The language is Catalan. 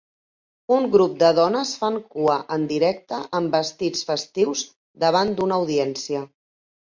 Un grup de dones fan cua en directe amb vestits festius davant d'una audiència.